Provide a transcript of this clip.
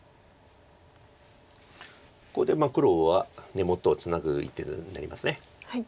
ここで黒は根元をツナぐ一手になります。